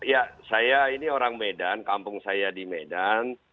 ya saya ini orang medan kampung saya di medan